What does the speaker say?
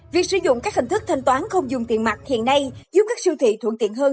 việc sử dụng các hình thức thanh toán không dùng tiền mặt hiện nay giúp các siêu thị thuận tiện hơn